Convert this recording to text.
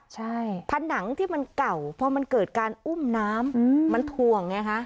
ใช่ผนังที่มันเก่าพอมันเกิดการอุ้มน้ำมันถ่วงไงฮะ